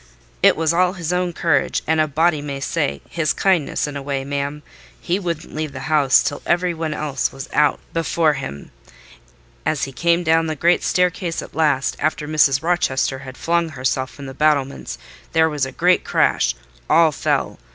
"It was all his own courage, and a body may say, his kindness, in a way, ma'am: he wouldn't leave the house till every one else was out before him. As he came down the great staircase at last, after Mrs. Rochester had flung herself from the battlements, there was a great crash—all fell.